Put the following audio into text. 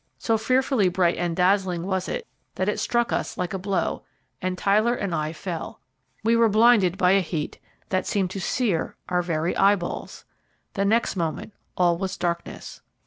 So fearfully bright and dazzling was it that it struck us like a blow, and Tyler and I fell. We were blinded by a heat that seemed to sear our very eyeballs. The next moment all was darkness.